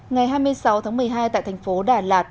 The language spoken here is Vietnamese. ngày hai mươi sáu tháng một mươi hai tại thành phố đà lạt